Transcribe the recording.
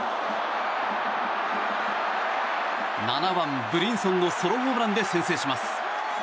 ７番、ブリンソンのソロホームランで先制します。